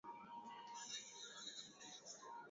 kutoka sehemu ya shimo hilo hadi sehemu ya makazi ya watu